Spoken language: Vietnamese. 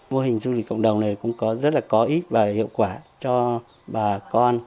mô hình du lịch cộng đồng này cũng có rất là có ích và hiệu quả cho bà con